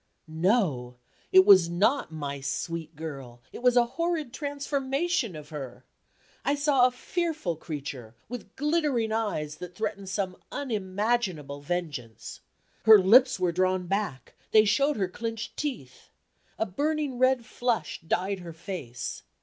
No! it was not my sweet girl; it was a horrid transformation of her. I saw a fearful creature, with glittering eyes that threatened some unimaginable vengeance. Her lips were drawn back; they showed her clinched teeth. A burning red flush dyed her face.